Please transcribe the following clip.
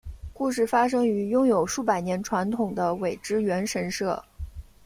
故事发生于拥有数百年传统的苇之原神社。